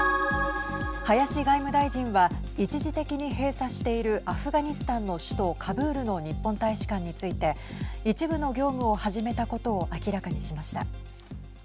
林外務大臣は一時的に閉鎖しているアフガニスタンの首都カブールの日本大使館について一部の業務を始めたことを明らかにしました。